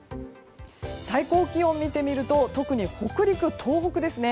最高気温を見てみると特に北陸、東北ですね。